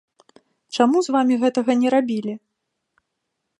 Чаму з вамі гэтага не рабілі?